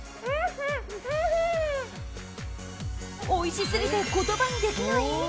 おいしすぎて言葉にできない？